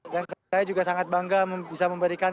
dan saya juga sangat bangga bisa memberikan